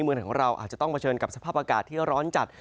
เมืองของเราอาจจะต้องเผชิญกับสภาพอากาศที่ร้อนจัด